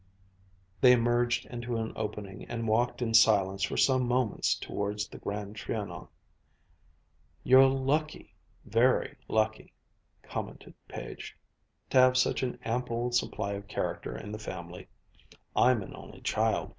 They emerged into an opening and walked in silence for some moments towards the Grand Trianon. "You're lucky, very lucky," commented Page, "to have such an ample supply of character in the family. I'm an only child.